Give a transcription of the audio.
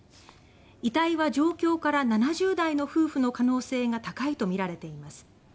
遺体は、状況から７０代の夫婦の可能性が高いとみられています。